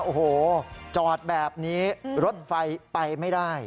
โอ้โหจอดแบบนี้รถไฟไปไม่ได้